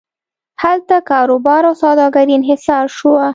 هلته کاروبار او سوداګري انحصار شوه.